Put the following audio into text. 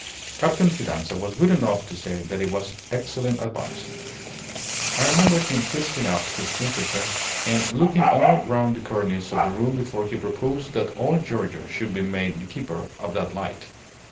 Captain Fidanza was good enough to say that it was excellent advice. I remember him twisting up his moustaches and looking all round the cornice of the room before he proposed that old Giorgio should be made the keeper of that light."